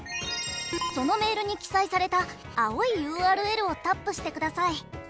そのメールに記載された青いＵＲＬをタップしてください。